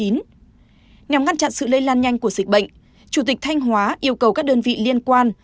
nhằm ngăn chặn sự lây lan nhanh của dịch bệnh chủ tịch thanh hóa yêu cầu các đơn vị liên quan